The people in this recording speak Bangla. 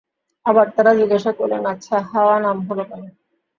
আবার তারা জিজ্ঞাসা করলেন, আচ্ছা হাওয়া নাম হলো কেন?